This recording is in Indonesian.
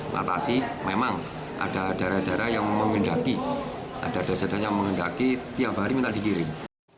latasi memang ada daerah daerah yang mengendaki ada daerah daerah yang mengendaki tiap hari minta digiring